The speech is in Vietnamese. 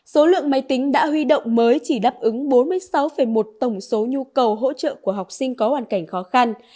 số lượng máy tính đã huy động mới chỉ đáp ứng bốn mươi sáu một tổng số nhu cầu hỗ trợ của học sinh có hoàn cảnh khó khăn